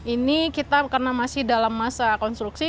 ini kita karena masih dalam masa konstruksi